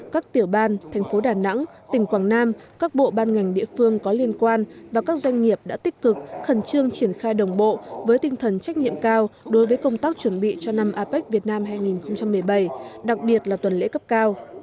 các tiểu ban thành phố đà nẵng tỉnh quảng nam các bộ ban ngành địa phương có liên quan và các doanh nghiệp đã tích cực khẩn trương triển khai đồng bộ với tinh thần trách nhiệm cao đối với công tác chuẩn bị cho năm apec việt nam hai nghìn một mươi bảy đặc biệt là tuần lễ cấp cao